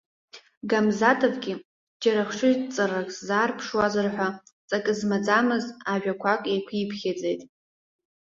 Гамзатовгьы, џьара хшыҩҵаррак сзаарԥшуазар ҳәа, ҵакы змаӡамыз ажәақәак еиқәиԥхьаӡеит.